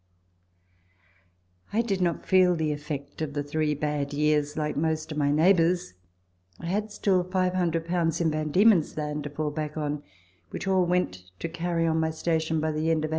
I did not feel the effect of the three bad years like most of my neighbours. I had still 500 in V. D. L. to fall back on, which all went to carry on my station by the end of 1843.